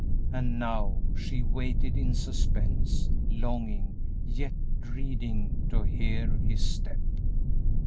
And now she waited in suspense, longing, yet dreading to hear his step.